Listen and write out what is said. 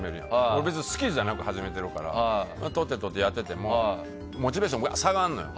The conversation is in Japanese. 俺別に好きじゃなく始めてるからトテトテやっててもモチベーションが下がんのよ。